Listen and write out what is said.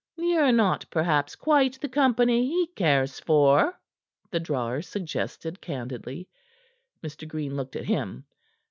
"Ye're not perhaps quite the company he cares for," the drawer suggested candidly. Mr. Green looked at him.